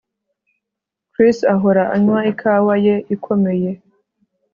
Chris ahora anywa ikawa ye ikomeye